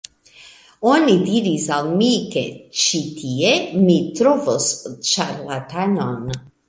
Oni diris al mi ke ĉi tie mi trovos ĉarlatanon